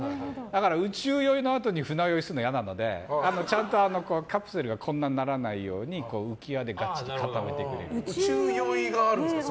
宇宙酔いのあとに船酔いするの嫌なのでちゃんとカプセルがこんなにならないように宇宙酔いがあるんですか。